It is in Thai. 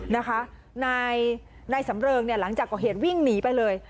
นายสำเริงเนี่ยหลังจากก่อเหตุวิ่งหนีไปเลย